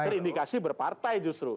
terindikasi berpartai justru